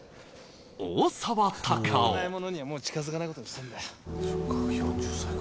危ないものにはもう近づかないことにしたんだよ